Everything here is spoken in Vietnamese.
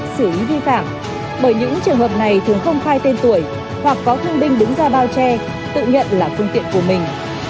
xử lý vi phạm bởi những trường hợp này thường không khai tên tuổi hoặc có thương binh đứng ra bao che tự nhận là phương tiện của mình